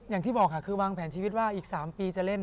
อย่างที่บอกค่ะคือวางแผนชีวิตว่าอีก๓ปีจะเล่น